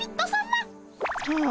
はあ。